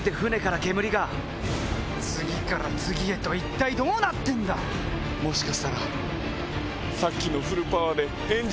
次から次へと一体どうなってんだ⁉もしかしたら。